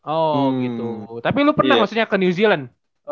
oh gitu tapi lu pernah maksudnya ke new zealand